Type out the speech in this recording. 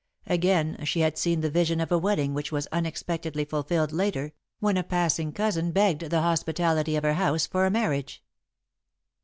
Again, she had seen the vision of a wedding which was unexpectedly fulfilled later, when a passing cousin begged the hospitality of her house for a marriage.